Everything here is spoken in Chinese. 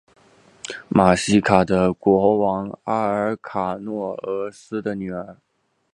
瑙西卡的国王阿尔喀诺俄斯的女儿。